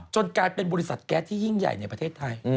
กลายเป็นบริษัทแก๊สที่ยิ่งใหญ่ในประเทศไทย